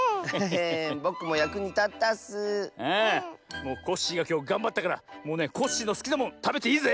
ああもうコッシーがきょうがんばったからもうねコッシーのすきなもんたべていいぜ！